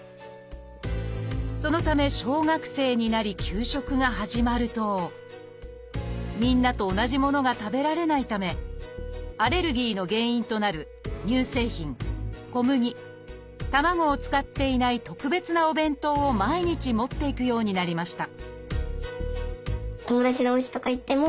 そのため小学生になり給食が始まるとみんなと同じものが食べられないためアレルギーの原因となる乳製品小麦卵を使っていない特別なお弁当を毎日持っていくようになりました